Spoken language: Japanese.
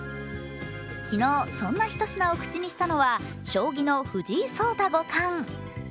昨日そんなひと品を口にしたのは将棋の藤井聡太五冠。